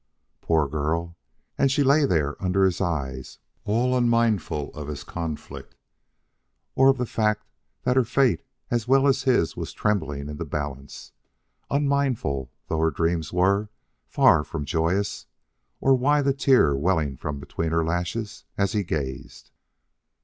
Poor girl! and she lay there under his eyes all unmindful of his conflict or of the fact that her fate as well as his was trembling in the balance; unmindful, though her dreams were far from joyous or why the tear welling from between her lashes as he gazed.